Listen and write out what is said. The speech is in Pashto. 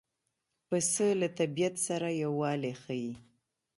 پسه له طبیعت سره یووالی ښيي.